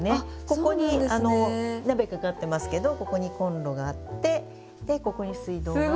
ここに鍋かかってますけどここにコンロがあってでここに水道があって。